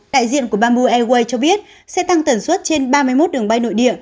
đại diện của bamboo airways cho biết sẽ tăng tần suất trên ba mươi một đường bay nội địa